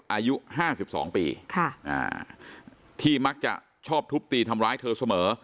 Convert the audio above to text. อายุ๕๒ปีที่มักจะชอบทุบตีทำร้ายเธอเสมอ